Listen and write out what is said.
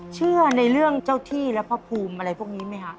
เชื่อในเรื่องเจ้าที่และพระภูมิอะไรพวกนี้ไหมคะ